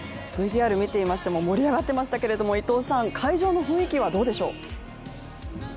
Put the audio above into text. ＶＴＲ見ていましても、盛り上がっていましたけれども、会場の雰囲気はどうでしょう。